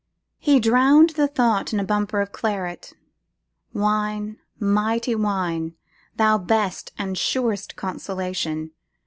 He drowned the thought in a bumper of claret. Wine, mighty wine! thou best and surest consolation!